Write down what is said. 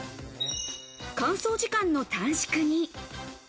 乾燥時間の短縮に。